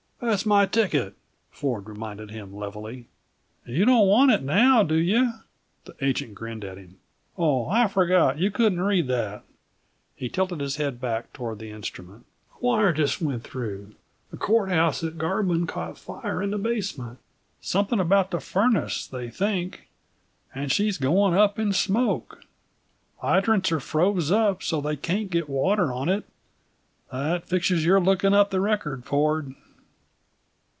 "That's my ticket," Ford reminded him levelly. "You don't want it now, do you?" The agent grinned at him. "Oh, I forgot you couldn't read that." He tilted his head back toward the instrument. "A wire just went through the court house at Garbin caught fire in the basement something about the furnace, they think and she's going up in smoke. Hydrants are froze up so they can't get water on it. That fixes your looking up the record, Ford."